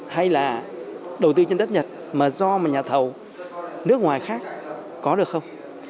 hay là đầu tư trên đất nhật mà do nhà thầu nước ngoài khác có được không